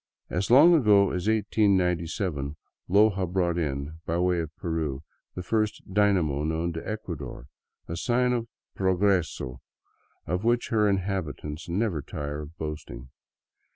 As long ago as 1897 Loja brought in, by way of Peru, the first dynamo known to Ecuador, a sign of " progreso '* of which her inhabitants never tire of boasting.